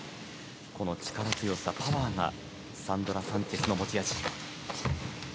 この力強さ、パワーがサンドラ・サンチェスの持ち味。